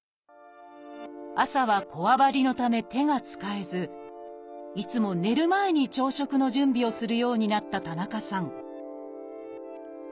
朝はこわばりのため手が使えずいつも寝る前に朝食の準備をするようになった田中さん